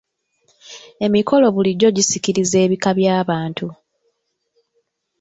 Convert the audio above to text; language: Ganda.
Emikolo bulijjo gisikiriza ebika by'abantu.